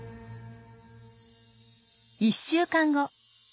１週間後。